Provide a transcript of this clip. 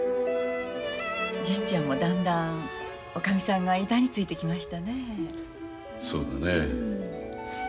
純ちゃんもだんだん女将さんが板についてきましたね。